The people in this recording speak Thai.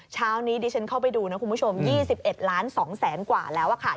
เช้านี้ดิฉันเข้าไปดูนะคุณผู้ชม๒๑ล้าน๒แสนกว่าแล้วค่ะ